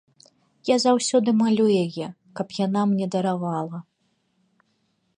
Я заўсёды малю яе, каб яна мне даравала.